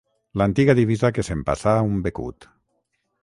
L'antiga divisa que s'empassà un becut.